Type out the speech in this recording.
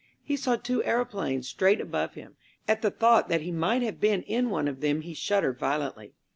He saw two aeroplanes straight above him. At the thought that he might have been in one of them he shuddered violently.